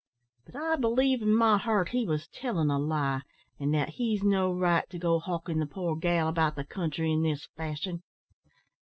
But I believe in my heart he was tellin' a lie, and that he's no right to go hawkin' the poor gal about the country in this fashion."